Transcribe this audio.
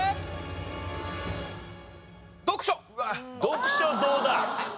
読書どうだ？